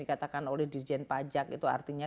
dikatakan oleh dirjen pajak itu artinya